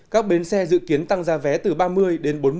các bến xe dự kiến tăng giá vé từ ba mươi đến bốn mươi